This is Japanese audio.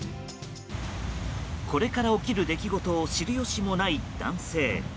これから起きる出来事を知るよしもない男性。